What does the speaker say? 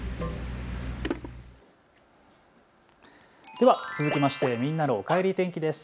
では続きましてみんなのおかえり天気です。